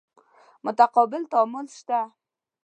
متقابل تعامل شته.